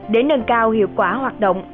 để nâng cao hiệu quả hoạt động